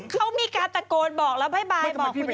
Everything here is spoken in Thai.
เขามีการตะโกนบอกแล้วบ๊ายบายบอกคุณ